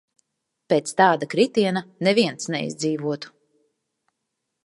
Pēc tāda kritiena neviens neizdzīvotu.